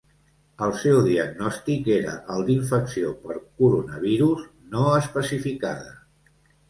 El seu diagnòstic era el d’infecció per coronavirus “no especificada”.